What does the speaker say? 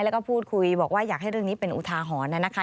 แล้วก็พูดคุยบอกว่าอยากให้เรื่องนี้เป็นอุทาหรณ์นะคะ